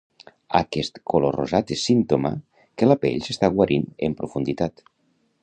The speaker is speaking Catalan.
Aquest color rosat és símptoma que la pell s'està guarint en profunditat